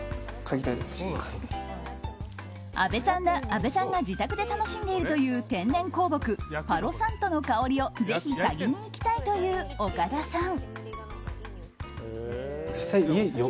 阿部さんが自宅で楽しんでいるという天然香木、パロサントの香りをぜひ、かぎに行きたいという岡田さん。